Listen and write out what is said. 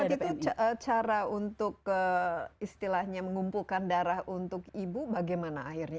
nah itu cara untuk istilahnya mengumpulkan darah untuk ibu bagaimana akhirnya